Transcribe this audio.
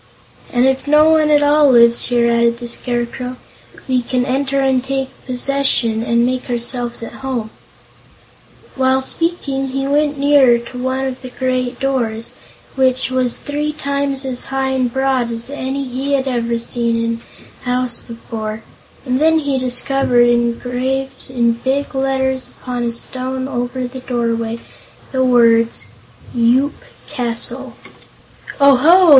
"And if no one at all lives here," added the Scarecrow, "we can enter, and take possession, and make ourselves at home." While speaking he went nearer to one of the great doors, which was three times as high and broad as any he had ever seen in a house before, and then he discovered, engraved in big letters upon a stone over the doorway, the words: "YOOP CASTLE" "Oho!"